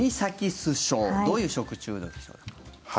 どういう食中毒でしょうか。